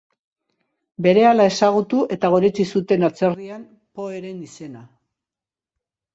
Berehala ezagutu eta goretsi zuten atzerrian Poeren izena.